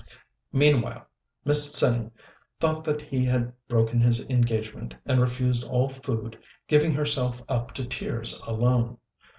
Meanwhile Miss Tsêng thought that he had broken his engagement, and refused all food, giving herself up to tears alone.